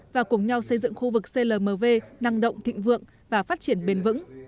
và cùng nhau xây dựng khu vực clmv năng động thịnh vượng và phát triển bền vững